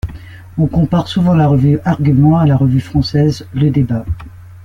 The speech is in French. On compare souvent la revue Argument à la revue française Le Débat.